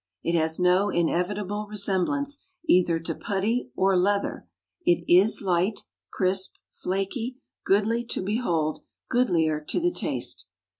It has no inevitable resemblance either to putty or leather. It is light, crisp, flaky, goodly to behold—goodlier to the taste.